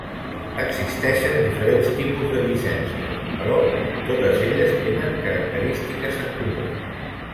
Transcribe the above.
Existeixen diferents tipus de llicències, però totes elles tenen característiques en comú.